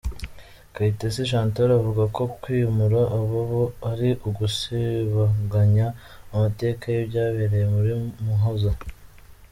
Kayitesi Chantal avuga ko kwimura ababo ari ugusibanganya amateka y’ibyabereye muri Muhoza.